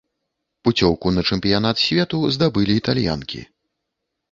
Пуцёўку на чэмпіянат свету здабылі італьянкі.